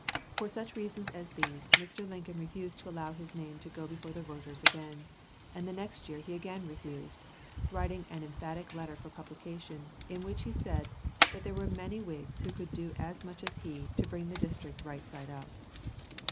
For such reasons as these Mr. Lincoln refused to allow his name to go before the voters again, and the next year he again refused, writing an emphatic letter for publication, in which he said that there were many Whigs who could do as much as he "to bring the district right side up."